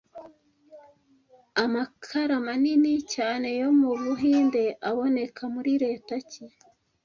Amakara manini cyane yo mu Buhinde aboneka muri leta ki